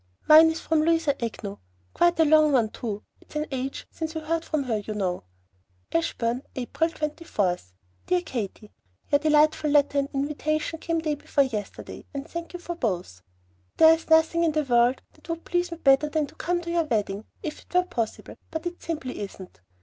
"Mine is from Louisa Agnew, quite a long one, too. It's an age since we heard from her, you know." ASHBURN, April 24. DEAR KATY, Your delightful letter and invitation came day before yesterday, and thank you for both. There is nothing in the world that would please me better than to come to your wedding if it were possible, but it simply isn't.